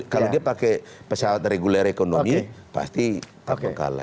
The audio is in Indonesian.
kalau dia pakai pesawat reguler ekonomi pasti tak mengkalahin